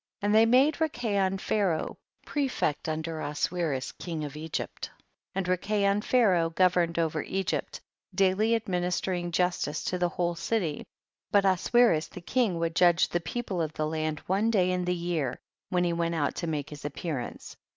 30. And they made Rikayon Pha raoh, prefect \u)der Oswiris king of Egypt, and Rikayon Pharaoh gov erned over Egypt, daily administer ing justice to the whole city, but Os wiris the king would judge {\\c people of the land one day in the year, when lie went out t?) make his appear ance.